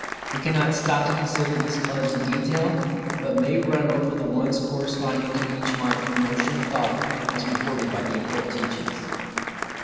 We cannot stop to consider these colors in detail, but may run over the ones corresponding to each marked Emotion of Thought, as reported by the Occult teachings.